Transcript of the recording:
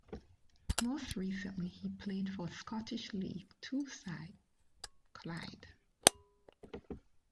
Most recently he played for Scottish League Two side Clyde.